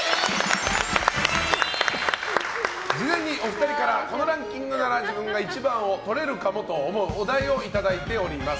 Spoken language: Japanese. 事前にお二人からこのランキングなら自分が１番をとれるかもと思うお題をいただいおります。